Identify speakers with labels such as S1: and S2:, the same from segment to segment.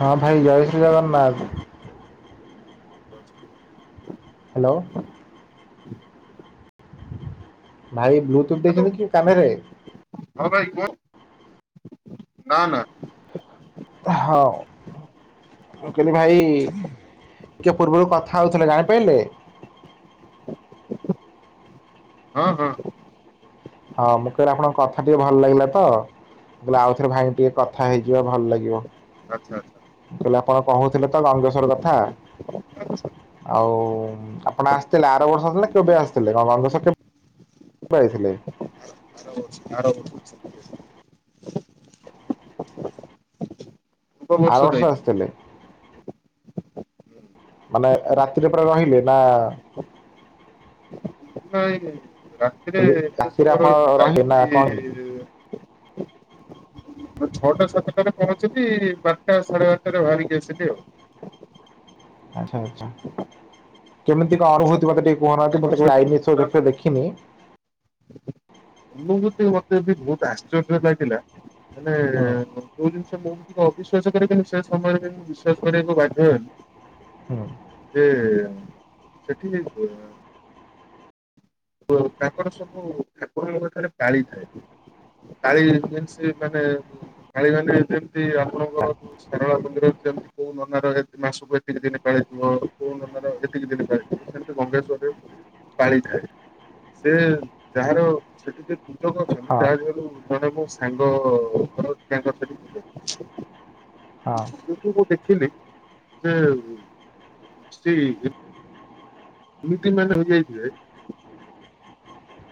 S1: ହଁ ଭାଇ ଜୟ ଶ୍ରୀ ଜଗନ୍ନାଥ।
S2: ହ
S1: ହାଲୋ। ଭାଇ ବ୍ଲୁଟୁଥ
S2: ହ୍ୟାଲୋ
S1: ଦେଇଛନ୍ତି କି କାନ ରେ?
S2: ହଁ ଭାଇ କୁହ? ନା ନା।
S1: ହଁଁ ଉ। ମୁଁ କହିଲି ଭାଇ ଟିକିିଏ ପୂର୍ବରୁ କଥା ହେଉଥିଲେ ଜାଣିପାଇଲେ?
S2: ହଁ ହଁ।
S1: ହଁ ମୁଁ କହିଲି ଆପଣଙ୍କ କଥା ଟିକେ ଭଲ ଲାଗିଲା ତ ମୁଁ କହିଲି ଆଉ ଥରେ ଭାଇ ଙ୍କୁ ଟିକେ କଥା ହେଇଯିବା ଭଲ ଲାଗିବ।
S2: ଆଚ୍ଛା ଆଚ୍ଛା।
S1: ମୁଁ କହିଲି ଆପଣ କହୁଥିଲେ ତ ଗଙ୍ଗେଶ୍ୱର କଥା।
S2: ଆଚ୍ଛା।
S1: ଆଉ ଆପଣ ଆସିଥିଲେ ଆର ବର୍ଷ ଆସିଥିଲେ କେବେ ଆସିଥିଲେ? ଗଙ୍ଗେଶ୍ୱର କେବେ ଆଇଥିଲେ?
S2: ଆର ବର୍ଷ ଆର ବର୍ଷ। ପୂର୍ବ
S1: ଆର ବର୍ଷ
S2: ଯାଇଥିଲି ହୁଁ।
S1: ଆସିଥିଲେ? ମାନେ ରାତିରେ ପୁରା ରହିଲେ ନା
S2: ନାଇଁ
S1: ମୁଁ
S2: ରାତିରେ
S1: କହିଲି
S2: ଏତେ
S1: ରାତିରେ
S2: ସମୟ
S1: ଆପଣ
S2: ରହିକି ଯାଏ
S1: ରହିଲେ ନା କ'ଣ କେମିତି
S2: କି ମୁଁ ଛଅଟା ସାତଟାରେ ପହଞ୍ଚିଲି ବାରଟା ସାଢେ ବାରଟାରେ ଭାଆରିକି ଆସିଲି ଆଉ।
S1: ଆଚ୍ଛା ଆଛା କେମିତିକା
S2: ସନ୍ଧ୍ୟା
S1: ଅନୁଭୂତି
S2: ସାତଟା।
S1: ମତେ ଟିକେ କୁହନାହାନ୍ତି। ମୁଁ
S2: ତାଙ୍କର
S1: ତ କେବଳ
S2: ସେଠୁ
S1: ଆଇ ନେଚର୍
S2: ପୁରା
S1: ରେ କେବ୍
S2: ମାନେ
S1: ଦେଖିନି।
S2: ଅନୁଭୂତି ମତେ ବି ବହୁତ୍ ଆଶ୍ଚର୍ଯ୍ୟ ଲାଗିଲା ମାନେ
S1: ହୁଁ
S2: ଯୋଉ ଜିନିଷ ମୁଁ ବି ଟିକେ ଅବିଶ୍ୱାସ କରେ କିନ୍ତୁ ସେ ସମୟରେ ବି ମୁଁ ବିଶ୍ୱାସ କରିଆକୁ ବାଧ୍ୟ ହେଲି।
S1: ହୁଁ।
S2: ଯେ ସେଠିକି କିଏ? ତାଙ୍କର ସବୁ ଠାକୁରଙ୍କଠାରେ ପାଳିଥାଏ। ପାଳି ମିନସ ମାନେ ପାଳି ମାନେ ଯେମିତି ଆପଣଙ୍କର ଶାରଳା ମନ୍ଦିର ଯେମିତି କୋଉ ନନାର ଏତେ ମାସକୁ ଏତିକି ଦିନ ପାଳିଥିବ। କୋଉ ନନାର ଏତିକି ଦିନ ପାଳି ସେମିତି ଗଙ୍ଗେଶ୍ଵରରେ ପାଳିଥାଏ। ସେ ଯାହାର ସେଠି ଯିଏ ପୂଜକ ଅଛନ୍ତି ତା ଦେହରୁ ଜଣେ ମୋ ସାଙ୍ଗ ଘର। ତାଙ୍କର ସେଠି
S1: [inaudible]
S2: ମୁଁ ଯୋଉ ଦେଖିଲି ଯେ ସେଇ ଏମିତି ମାନେ ହୋଇଯାଇଥିବେ।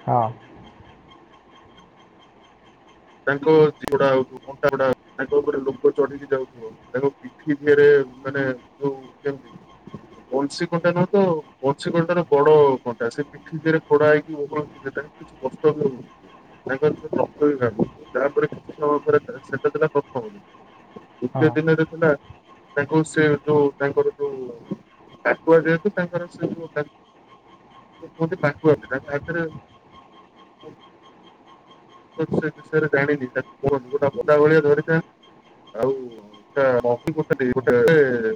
S1: ହଁ।
S2: ତାଙ୍କ [unintelligible] କଣ୍ଟାଗୁଡା ତାଙ୍କ ଉପରେ ଲୋକ ଚଢିକି ଯାଉଥିବ। ତାଙ୍କ ପିଠି ଦିହରେ ମାନେ ଯୋଉ କେମତି ବଂଶୀ କଣ୍ଟା ନୁହଁ ତ ବଂଶୀ କଣ୍ଟାର ବଡ କଣ୍ଟା ସେଇଥିପାଇଁ ଠିକ୍ ଇଏରେ କଢା ହେଇକି ଓହଳୁ [unintelligible] ତାପରେ କିଛି ସମୟ ପରେ ସେତ ଥିଲା ପ୍ରଥମ ଦିନ।
S1: ହଁ
S2: ଦ୍ୱିତୀୟ ଦିନରେ ଥିଲା ତାଙ୍କ ସେ ଯୋଉ ତାଙ୍କର ଯୋଉ ଟାକୁଆ ଯେହେତୁ ତାଙ୍କର ସେ ଯୋ ଟା କୁହନ୍ତି [unintelligible] ତାଙ୍କ ହାତରେ ତ ସେ ବିଷୟରେ ଜାଣିନି ଟାକ୍ କୁହ ଗୋଟା ଗଦା ଭଳିଆ ଧରିଚେ। ଆଉ ଏଟା [unintelligible] ଗୋଟେ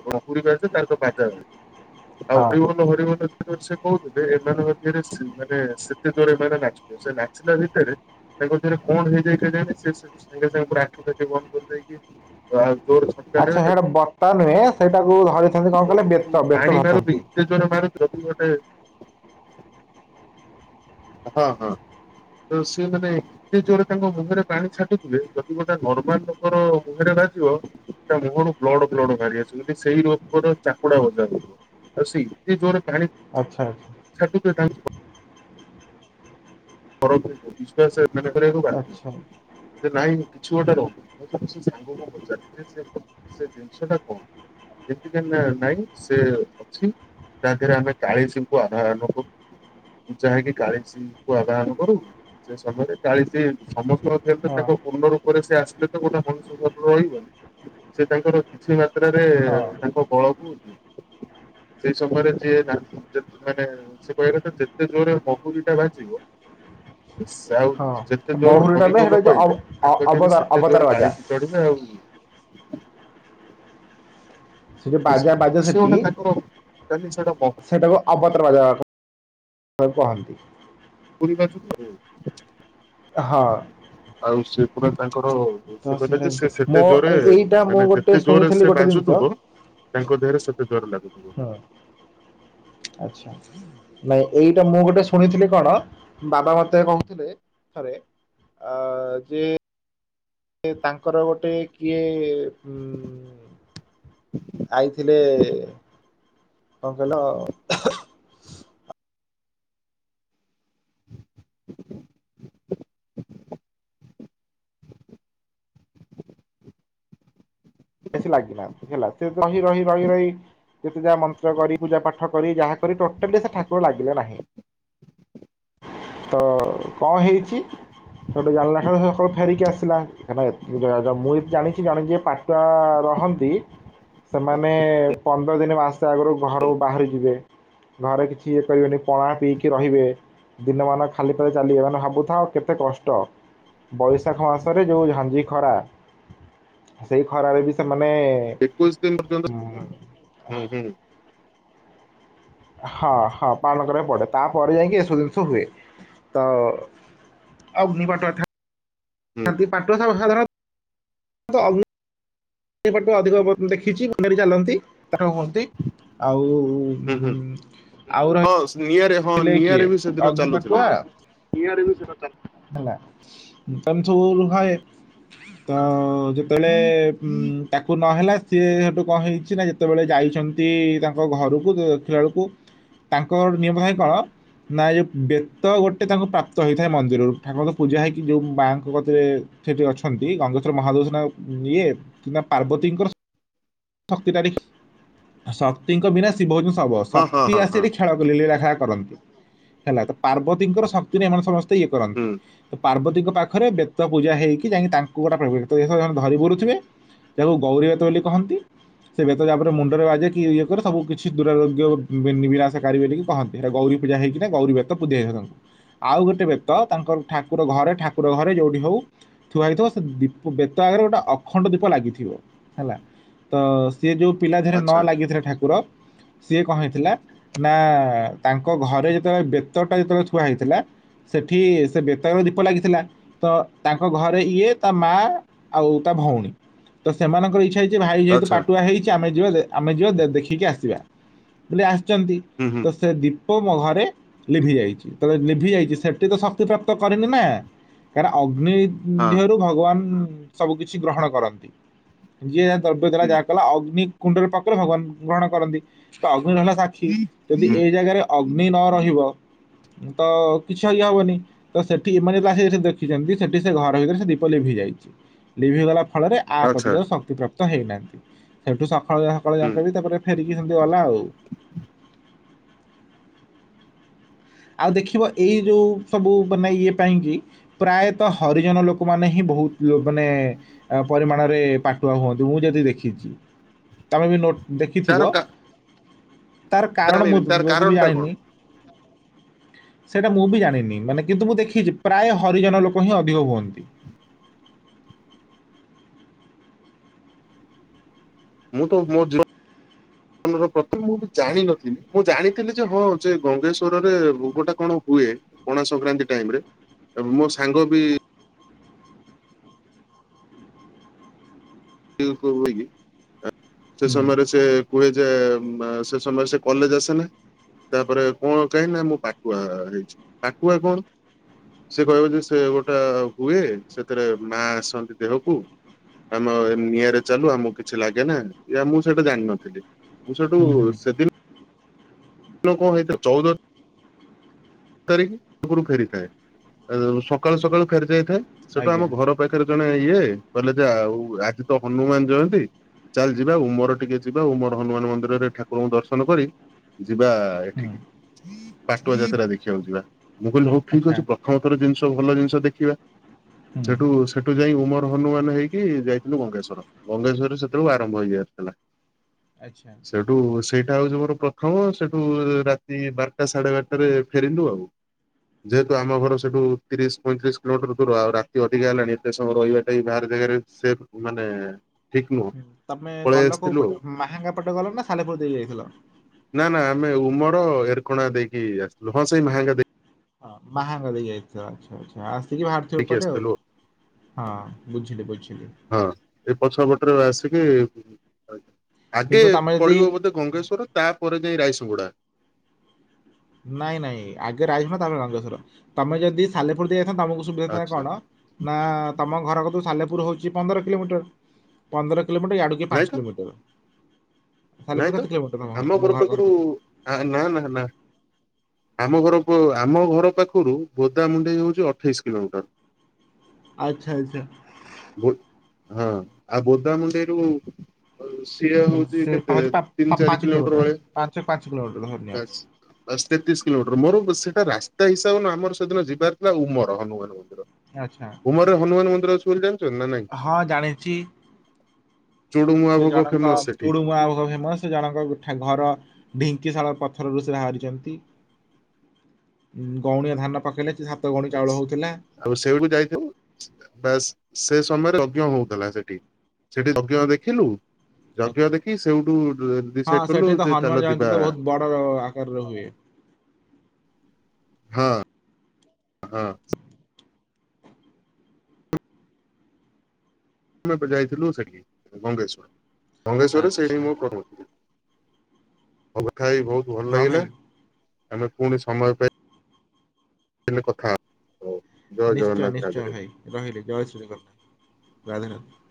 S2: ବଙ୍କୁଲୀ ବାଡିଟେ ତାର ତ ପାଞ୍ଚଟା ଆଉ
S1: ହଁ
S2: ହରିବୋଲ ହରିବୋଲ ଯେତେବେଳେ ସେ କହୁଥିବେ ଏମାନଙ୍କ ଦେହରେ ସେ ମାନେ ସେତେ ଜୋର ଏମାନେ ନାଚୁ ସେ ନାଚିଲା ଭିତେରେ ତାଙ୍କ ଦେହରେ କଣ ହେଇଯାଇଥିଲା ଜାଣେ ସେ ସବୁ ସାଙ୍ଗେ ସାଙ୍ଗେ ଆଖିପାଖି ବନ୍ଦ କରିଦେଇକି ଆ ଜୋର ରେ [unintelligible]
S1: ଆଚ୍ଛା ସେଇଟା ବତ୍ତା ନୁହେଁ ସେଇଟାକୁ ଧରିଚନ୍ତି କଣ କହିଲେ
S2: ତାକୁ
S1: ବେତ
S2: ପାଣି
S1: ବେତ ଧରିଚନ୍ତି।
S2: [unintelligible] ଗୋଟେ। ହଁ ହଁ ତୋ ସେ ମାନେ ସେ ଜୋରରେ ତାଙ୍କ ମୁଣ୍ଡରେ ପାଣି ଛାଟୁଥିଲେ ଯଦି ଗୋଟେ ନର୍ମାଲ ଲୋକର ମୁହେଁରେ ବାଜିବ ତା ମୁହଁରୁ ବ୍ଲଡ ବ୍ଲଡ଼ ବାହାରି ଆସିବ। [unintelligible] ସେଇ ଲୋକଟା ଚାପୁଡା ବଜେଇଆକୁ ହଉଥିବ। ଆଉ ସେ ଏତେ ଜୋର୍ ରେ ପାଣି
S1: ଆଚ୍ଛା ଆଛା।
S2: [unintelligible] ପରନ୍ତୁ ବିଶ୍ୱାସ ଏମାନେ କରିବାକୁ ବାଧ୍ୟ।
S1: ଆଚ୍ଛା
S2: ରେ ନାଇଁ ମୁଁ କିଛି ଗୋଟେ ରହ ମୁଁ ସେ ସାଙ୍ଗକୁ ପଚାରେ ଯେ ସେ ସେ ଜିନିଷଟା କଣ? ଏମତି କାନା ନାଇଁ ସେ ଅଛି। ତା ଦେହରେ ଆମେ କାଳିସିଙ୍କୁ ଅଧୟନ କରୁ ପୂଜା ହେଇକି କାଳିସିଙ୍କୁ ଆ ବାହାନ କରୁ କି? ସେ ସମୟରେ କାଳିସି ସମସ୍ତଙ୍କ ଦେହରେ ତ ତାଙ୍କ
S1: ହଁ
S2: ପୂର୍ଣ୍ଣ ରୂପରେ ସେ ଆସିଲେ ତ ଗୋଟେ ମଣିଷ [unintelligible] ତ ରହିବନି। ସେ ତାଙ୍କର କିଛି ମାତ୍ରାରେ ତାଙ୍କ ବଳକୁ ଦିଅନ୍ତି। ସେଇ ସମୟରେ ଯିଏ ତାଙ୍କ ଯେତ୍ ମାନେ ସେ କହିବା କଥା ଯେତେ ଜୋରରେ ମହୁରୀ ଟା ବାଜିବ ସେ ଆଉ
S1: ହଁ
S2: ଯେତେ
S1: ହଁ
S2: ଜୋରେ
S1: ମହୁରୀଟା ନୁହେଁ
S2: ହରିବୋଲ
S1: ସେଇଟା ଯୋଉ ଅବ
S2: କହିବେ
S1: ଅ
S2: ତାଙ୍କ ଦେହରେ
S1: ଅବତାର
S2: ସେତେ
S1: ଅବତାର
S2: ଜୋରେ
S1: ବାଜା।
S2: କାଳିସି ଚଢିଲେ ଆଉ।
S1: ସେ ଯୋଉ ବାଜା ବାଜେ
S2: ସେ
S1: ସେଠି
S2: ଗୋଟେ ତାଙ୍କର କାଲି ସେଟା
S1: ସେଟା ଅଭଦ୍ର [unintelligible] ସବୁ କହନ୍ତି।
S2: [unintelligible]
S1: ହଁ
S2: ଆଉ ସେ ହଁ ପା ତାଙ୍କର
S1: ତ
S2: ସେ କହିଲେ
S1: ସେଇଟା
S2: କି
S1: ଜିନିଷ
S2: ସେ ସେତେ
S1: ମୋ
S2: ଜୋରେ
S1: ଏଇ- ଏଇଟା ମୁଁ
S2: ମାନେ
S1: ଗୋଟେ
S2: ଯେତେ ଜୋରେ
S1: ଶୁଣିଥିଲି
S2: ସେ
S1: ଗୋଟେ ଜିନିଷ
S2: ବାଜୁଥୁବ। ତାଙ୍କ ଦେହରେ ସେତେ ଜର ଲାଗୁଥିବ।
S1: ହଁ ଆଚ୍ଛା ନାଇଁ ଏଇଟା ମୁଁ ଗୋଟେ ଶୁଣିଥିଲି କଣ ବାବା ମତେ କହୁଥିଲେ ଥରେ। ଆ ଯେ ଏ ତାଙ୍କର ଗୋଟେ କିଏ ଉଁ ଆଇଥିଲେ କଣ କହିଲ ବେଶୀ ଲାଗିଲାନି ହେଲା ସେ ରହି ରହି ରହି ରହି ଯେତେ ଯାହା ମନ୍ତ୍ର କରି ପୂଜା ପାଠ କରି ଯାହା କରି ଟୋଟାଲି ସେ ଠାକୁର ଲାଗିଲେ ନାହିଁ। ତ କଣ ହେଇଚି ହେଠୁ ଜାଣିଲା ପରେ ଫୁଣି ସବୁ ଫେରିକି ଆସିଲା କାରଣ ଏତ ଜ ଜ ମୁଁ ଯେତିକି ଜାଣିଚି ଜଣେ ଯିଏ ପା ତା ରହନ୍ତି ସେମାନେ ପନ୍ଦର ଦିନ ମାସେ ଆଗୁରୁ ଘରୁ ବାହାରି ଯିବେ। ଘରେ କିଛି ଇଏ କରବେନି ପଣା ପିଇକି ରହିବେ। ଦିନମାନ ଖାଲି ପାଦରେ ଚାଲିବେ ମାନେ ଭାବୁଥାଅ କେତେ କଷ୍ଟ। ବୈଶାଖ ମାସରେ ଯେଉଁ ଝାଞ୍ଜି ଖରା। ସେଇ ଖରାରେ ବି ସେମାନେ
S2: ଏକୋଇଶ ଦିନ ପର୍ଯ୍ୟନ୍ତ
S1: ଉଁ
S2: ଥାଏ ଉଁ ହୁଁ
S1: ହଁ ହଁ ପାଳଣ କରିବାକୁ ପଡେ ତାପରେ ଯାଇକି ଏସବୁ ଜିନିଷ ହୁଏ ତ ଅଗ୍ନି ପାଟୁଆ ଥାଆନ୍ତି ପାଟ ଶାଳ ଶାଳ [inaudible] ସେପଟୁ ଅଧିକ ଭୋଟ ଦେଖିଚି ମନରେ ଚାଲନ୍ତି ତାଙ୍କ ହୁଅନ୍ତି ଆଉ
S2: ଉଁ ହୁଁ
S1: ଆଉ
S2: ହଁ ନିଆଁରେ ହଁ
S1: ରହିଲେ କିଏ
S2: ନିଆଁରେ ବି ସେଦିନ
S1: ଅଗ୍ନି
S2: ଚାଲୁଥିଲେ।
S1: ପାଟୁଆ ହେଲା ତେଣୁ ସବୁ ହଏ ଅଁ ତଳେ ଉଁ ତାକୁ ନହେଲା ସିଏ ହେଠୁ କଣ ହେଇଚି ନା ଯେତବେଳେ ଯାଇଚନ୍ତି ତାଙ୍କ ଘରୁକୁ ଖେଳୁକୁ ତାଙ୍କ ନିୟମ କାହିଁ ପାଳ। ନାଁଇ ବେତ ଗୋଟେ ତାଙ୍କୁ ପ୍ରାପ୍ତ ହେଇଥାଏ ମନ୍ଦିରରୁ ଠାକୁରଙ୍କ ପୂଜା ହେଇକି ଯୋଉ ମାଆଙ୍କ କତିରେ। ସେ ଯୋଉ ଅଛନ୍ତି ଗାଙ୍ଗୋଚର ମହାଦେବ ସିନା ଇଏ ନା ପାର୍ବତୀଙ୍କର ଶକ୍ତିନାରୀ ଶକ୍ତିଙ୍କ ବିନା ଶିବ ହେଉଚନ୍ତି ଶବ
S2: ହଁ ହଁ
S1: ଶକ୍ତି
S2: ହଁ
S1: ଆସିବା
S2: ହଁ
S1: ଦେଖି ଖେଳ ବୁଲେଇଲେ ରାଧା କରନ୍ତି ହେଲା ତ ପାର୍ବତୀଙ୍କର ଶକ୍ତିରେ ଏମାନେ ସମସ୍ତେ ଇଏ କରନ୍ତି।
S2: ହୁଁ
S1: ତ ପାର୍ବତୀଙ୍କ ପାଖରେ ବେତ ପୂଜା ହେଇକି ଯାଇକି ତାଙ୍କୁ ଗୋଟେ ପ୍ରଭାବିତ [unintelligible] ଧରି ବୁରୁଥିବେ। ତେଣୁ ଦଉରିଆ ତୋଲି କହନ୍ତି। ସେ ବେତ ଯାପରେ ମୁଣ୍ଡରେ ବାଜେ କି ଇଏ କରେ ସବୁ କିଛି ଦୁରରୋଗ୍ୟ ବି ବିଳାଶକାରି ବୋଲି କହନ୍ତି। ଭିଡ ଗୌରି ପୂଜା ହେଇକିନା ଗୌରି ବେତ ପୂଜା ହେଇ ଆଉ ଗୋଟେ ବେତ ତାଙ୍କର ଠାକୁର ଧାରେ ଠାକୁର ଘରେ ଯୋଉଠି ହଉ। ଥୁଆ ହୋଇଇଥିବ ସେ ଦୀପ ବେତ ଆଗରେ ଗୋଟେ ଅଖଣ୍ଡ ଦୀପ ଲାଗିଥିବ ହେଲା ତ ସିଏ ଯୋଉ ପିଲା ଦେରେ ନ
S2: ଆଚ୍ଛା
S1: ଲାଗିଥିଲା ଠାକୁର ସିଏ କହିଥିଲା ନା ତାଙ୍କ ଘରେ ଯେତେବେଳେ ବେତ ଟା ଯେତେବେଳେ ଛୁଆ ହେଇଥିଲା। ସେଠି ସେ ବେତନର ଦୀପ ଲାଗିଥିଲା। ତ ତାଙ୍କ ଘରେ ଇଏ ତା ମା ଆଉ ତା ଭଉଣୀ ତ ସେମାନଙ୍କର ଇଚ୍ଛା ହେଇଛି ଭାଇ ଯେହେତୁ
S2: ଆଚ୍ଛା
S1: ପାଟୁଆ ହେଇଛି ଆମେ ଯିବା ଆମେ ଯିବା ଦେଖିକି ଆସିବା ବୋଲି ଆସିଛନ୍ତି।
S2: ହୁଁ ହଁ।
S1: ତ ସେ ଦୀପ ମୋ ଘରେ ଲିଭି ଯାଇଛି ତ ଲିଭି ଯାଇଛି ସେଠି ତ ଶକ୍ତି ପ୍ରାପ୍ତ କରିନି ନା କାହିଁକିନା ଅଗ୍ନି
S2: ହଁ
S1: ଦେହରୁ ଭଗବାନ ସବୁ କିଛି ଗ୍ରହଣ କରନ୍ତି ଯିଏ ଥିଲା
S2: ହୁଁ
S1: ଯାହା ଅଗ୍ନି କୁଣ୍ଡରେ ପାଖରେ ଭଗବାନ ଗ୍ରହଣ କରନ୍ତି ତ ଅଗ୍ନି ରହ ଯଦି
S2: ହୁଁ
S1: ଏଇ ଜାଗାରେ ଅଗ୍ନି ନ ରହିବ ତ କିଛି ହବନି। ତ ସେଠି ଏମାନେସ ସେ ଦେଖିଛନ୍ତି ସେଠି ସେ ଘର ଭିତରେ ସେ ଦୀପ ଲିଭି ଯାଇଛି ଲିଭିଗଲା ଫଳରେ ଆ
S2: ଆଚ୍ଛା
S1: ପ୍ରତିକ ଶକ୍ତିପ୍ରାପ୍ତ ହେଇନାହାନ୍ତି ସେଇଠୁ ସକାଳ ସକାଳ
S2: ହୁଁ
S1: ଯାକ ବି ତା ପରେ ଫେରିକି ସେମିତି ଗଲା ଆଉ ଆଉ ଦେଖିବ ଏଇ ଯଉ ସବୁ ବନେଇ ଇଏ ପାଇଁକି ପ୍ରାୟତଃ ହରିଜନ ଲୋକମାନେ ହିଁ ବହୁତ ମାନେ ପରିମାଣରେ ପାଟୁଆ ହୁଅନ୍ତି ମୁଁ ଯଦି ଦେଖିଛି ତମେ ବି ନୋଟ୍
S2: ତାର
S1: ଦେଖିଥିବ
S2: କା
S1: ତାର କାରଣ ମୁଁ
S2: ଜାଣିନି ତାର
S1: ଯଦି ବି
S2: କାରଣ ଟା କଣ
S1: ଜାଣିନି ସେଇଟା ମୁଁ ବି ଜାଣିନି ମାନେ କିନ୍ତୁ ମୁଁ ଦେଖିଛି ପ୍ରାୟ ହରିଜନ ଲୋକ ହିଁ ଅଧିକ ହୁଅନ୍ତି।
S2: ମୁଁ ତ ମୋ ଜ
S1: ହଁ।
S2: ପ୍ରଥମେ ମୁଁ ବି ଜାଣିନଥିଲି ମୁଁ ଜାଣିଥିଲି ଯେ ହଁ ଯେ ଗଙ୍ଗେଶ୍ଵରରେ ରୋଗ ଟା କଣ ହୁଏ? ପଣା ସଂକ୍ରାନ୍ତି ଟାଇମ ରେ ମୋ ସାଙ୍ଗ ବି କି ସେ
S1: ହୁଁ
S2: ସମୟରେ ସେ କୁହେ ଯେ ସେ ସମୟ ସେ କଲେଜ ଆସେ ନା ତାପରେ କଣ କାହିଁି ନା ମୁଁ ପାଟୁଆ ହେଇଛି ପାଟୁଆ କଣ ସେ କହିବ ଯେ ସେ ଗୋଟେ ହୁଏ ସେଥିରେ ମା ଆସନ୍ତି ଦେହକୁ ଆମ ନିଆରେ ଚାଲୁ ଆମକୁ କିଛି ଲାଗେ ନା ମୁଁ ସେଠା ଜାଣିିନଥିଲି ମୁଁ ସେଠୁ
S1: ହୁଁ ହୁଁ
S2: ସେଦିନ କ ହେଇତ ଚଉଦ ତିଖ ପରୁ ଫେରିଥାଏ ସକାଳୁ ସକାଳୁ ଫେରି ଯାଇଥାଏ ସେଟା
S1: ଆଜ୍ଞା
S2: ଆମ ଘର ପାଖରେ ଜଣେ ଇଏ କହିଲେ ଯେ ଆଉ ଆଜି ତ ହନୁମାନ ଜୟନ୍ତୀ। ଚାଲ ଯିବା ଓ ମୋର ଟିକେ ଯିବା ଓ ମୋର ହନୁମାନ ମନ୍ଦିରରେ ଠାକୁରଙ୍କୁ ଦର୍ଶନ କରି ଯିବା
S1: ହୁଁ
S2: ଏଠିକି ପାଟୁଆ ଯାତ୍ରା ଦେଖିବାକୁ ଯିବା ମୁଁ କହିଲି ହଉ ଠିକ
S1: ଆଚ୍ଛା
S2: ଅଛି। ଥମ ଥର ଜିନିଷ ଭଲ ଜିନିଷ ଦେଖିବା
S1: ହୁଁ
S2: ସେଠୁ ସେଠୁ ଯାଇ ଉମର ହନୁମାନ ହେଇକି ଯାଇଥିଲୁ ଗଙ୍ଗେଶ୍ଵର ମଙ୍ଗେଶ୍ୱରରେ ସେଳରୁ ଆରମ୍ଭ ହେଇଯସିଥିଲା
S1: ଆଚ୍ଛା।
S2: ସେଠୁ ସେଇଟା ହଉଛି ମୋର ପ୍ରଥମ ସେଠୁ ରାତି ବାରଟା ସାଢେ ବାରଟାରେ ଫେରିନ୍ତୁ ଆଉ ଯେହେତୁ ଆମ ଘର ସେଠୁ ତିରିଶ ପଇଁତିରିଶ କିଲୋମିଟର ଦୂର ଆଉ ରାତି ଅଧିକା ହେଲାଣି ଏତେ ସମୟ ରହିବାଟା ବାହାର ଜାଗାରେ ସେ ମାନେ ଠିକ ନୁହଁ
S1: ହୁଁ ତମେ
S2: ପଳେଇ
S1: ଗଲ କୋଉ
S2: ଆସିଥିଲୁ ଆଉ।
S1: ପଟ ମାହାଙ୍ଗା ପଟେ ଗଲ ନା ସାଲେପୁର ଦେଇକ ଯାଇଥିଲ
S2: ନା ନା ଆମେ ଉମର ଏରକଣା ଦେଇକି ଆସିଥିଲୁ ହଁ ସେଇ ମହେଙ୍ଗା ଦେଇ
S1: ହଁ ମହାେଙ୍ଗା ଦେଇି ଆଇତ ରାଜ ଆଛ ଆଚ୍ଛା ଆସିକି ବାହାରିଥିବ
S2: ଦେଇକି
S1: ପଟେ ଆଉ
S2: ଆସିଥିଲୁ
S1: ହଁ ବୁଝିଲି ବୁଝିଲି।
S2: ହଁ ଏ ପଛଆ ପଟରେ ଆସିକି ଆଗେ
S1: କିନ୍ତୁ ତମେ ଯଦି
S2: ପଡିବ ବୋଧେ ଗଙ୍ଗେଶ୍ଵର ତାପ ଯାଇ ରାଇସିଙ୍ଗୁଡା
S1: ନାଇଁ ନାଇଁ ଆଗରେ ଆସଛ ନା ତାରେ ରଙ୍ଗେଶ୍ୱର ତମେ ଯଦି ସାଲେପୁର ଦେଇ ଯାଇଥାନ୍ ତମକୁ ସୁବିଧା ଥାତା
S2: ଆଚ୍ଛା
S1: କଣ? ନା ତମ ଘରକୁ ତୁ ସାଲେପୁର ହଉଛି ପନ୍ଦର କିଲୋମିଟର ପନ୍ଦର କିଲୋମିଟର ଡ
S2: ନାଇଁ
S1: ପାଞ୍ଚ
S2: ତ
S1: କିଲୋମିଟର ସାଲେପୁର
S2: ନାଇଁ ତ
S1: କେତେ କିଲୋମିଟର ତମ
S2: ଆମ
S1: ତମ
S2: ଘର ପାଖରୁ ନା ନା ନା ଆମ ଘର ଆମ ଘର ପାଖରୁ ଗୋଦାମୁଣ୍ଡେଇ ହଉଛି ଅଠେଇଶି କିଲୋମିଟର
S1: ଆଚ୍ଛା ଆଚ୍ଛା।
S2: ହଁ ଆଉ ବୋଦାମୁଣ୍ଡିରୁ ସିଏ ହଉଛି କେତେ
S1: ପାଉଛି
S2: ତିନି ଚାରି
S1: ପାଞ୍ଚ କିଲୋମିଟର
S2: ଭଳିଆ
S1: ପାଞ୍ଚ ପାଞ୍ଚ କିଲୋମିଟର ଧନି
S2: ବାସ୍ ତେତିଶ କିଲୋମିଟର ମୋର ସେଟା ରାସ୍ତା ହିସାବରେ ନ ଆମର ସେଦିନ ଯିବାର ଥିଲା ଉମର ହନୁମାନ
S1: ଆଚ୍ଛା।
S2: ତମର ହନୁମାନ ମନ୍ଦିର ଅ ନାଇଁ।
S1: ହଁ ଜାଣିଛି।
S2: ଚୁଡୁମୁଆ
S1: ସେ
S2: ଭୋଗ
S1: ଜଣଙ୍କ
S2: ଫେମସ ସେଠି
S1: ଚୁଡୁମଆ ଫେମସ ସେ ଜଣଙ୍କା ଘର ଢିଙ୍କିଶାଳ ପଥରରୁ ସେ ବାହାରିଛନ୍ତି। ଗଉଣିଏ ଧାନ ପକେଇଲେ ସାତ ଗଉଣି
S2: ବାସ୍
S1: ଚାଉଳ ହଉଥିଲା
S2: ଆଉ ସେଇଠୁ ଯାଇଥିବ। ବାସ୍ ସେ ସମୟରେ ଅଜ୍ଞ ହଉଥିଲା ସେଠି। ସେଠି ଅଜ୍ଞ ଦେଖିଲୁ? ଜଗିବା
S1: ଆଚ୍ଛା।
S2: ଦେଖି ସେଉଠୁ ଡିସାଇଡ କଲୁ ଯେ ଚାଲ ଯିବା
S1: ବଢ ଯ ଆକାର ର ହୁଏ।
S2: ହଁ ହଁ। ଆମେ ଯାଇଥିଲୁ ସେଇଠି ମଙ୍ଗେଶ୍ଵର ଭଙ୍ଗେଶ୍ଵରରେ
S1: ଆଚ୍ଛା
S2: ସେଇଠି ମୁଁ କରଥିଲି। କଥାହେଇ ବହୁତ ଭଲ
S1: ହଁ
S2: ଲାଗିଲା
S1: ଭାଇ
S2: ଆମେ ପୁଣି ସମୟ ପାଇ କଥା ହଉ ଜୟ
S1: ନିଶ୍ଚୟ
S2: ଜଗନ୍ନାଥ
S1: ନିଶ୍ଚୟ
S2: ରାଜ
S1: ଭାଇ ରହିଲି ଜୟ ଶ୍ରୀ [unintelligible] ରାଧେ ରାଧେ।